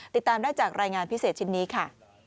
ติดตามได้จากรายงานพิเศษชิ้นนี้ค่ะ